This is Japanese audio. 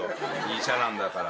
医者なんだから。